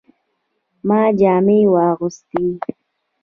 ما جامې واغستې